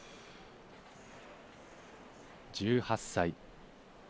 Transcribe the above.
１８歳。